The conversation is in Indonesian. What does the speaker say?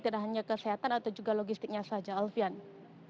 tidak hanya kesehatan atau juga logistiknya saja alfian